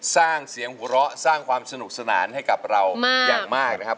สร้างเสียงหัวเราะสร้างความสนุกสนานให้กับเราอย่างมากนะครับ